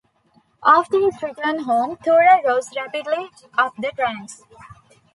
After his return home, Thura rose rapidly up the ranks.